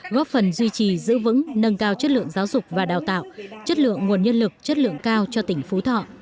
góp phần duy trì giữ vững nâng cao chất lượng giáo dục và đào tạo chất lượng nguồn nhân lực chất lượng cao cho tỉnh phú thọ